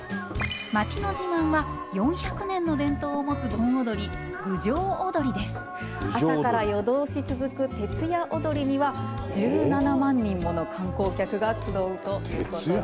町の自慢は４００年の伝統を持つ盆踊り朝から夜通し続く徹夜踊りには１７万人もの観光客が集うということです。